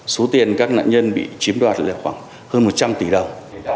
số tiền các nạn nhân bị chiếm đoạt là khoảng hơn một trăm linh tỷ đồng